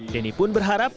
denny pun berharap